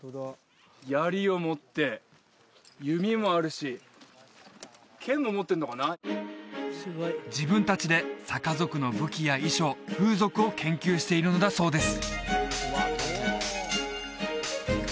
槍を持って弓もあるし剣も持ってるのかな自分達でサカ族の武器や衣装風俗を研究しているのだそうです